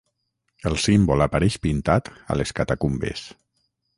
El símbol apareix pintat a les catacumbes.